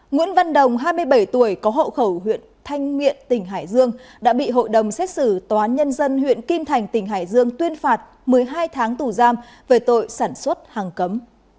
nguyễn văn đồng hai mươi bảy tuổi có hậu khẩu huyện thanh miện tỉnh hải dương đã bị hội đồng xét xử tòa án nhân dân huyện kim thành tỉnh hải dương tuyên phạt một mươi hai tháng tù giam về tội sản xuất hàng cấm